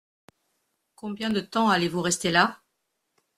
Combien de temps allez-vous rester là ?